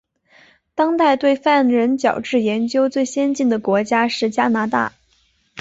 当代对犯人矫治研究最先进的国家是加拿大。